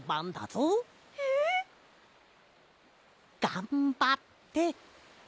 がんばって。